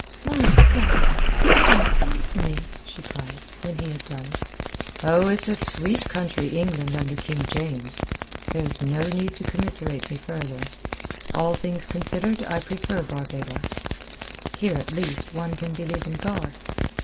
"My God! What an infamy!" she cried, when he had done. "Oh, it's a sweet country England under King James! There's no need to commiserate me further. All things considered I prefer Barbados. Here at least one can believe in God."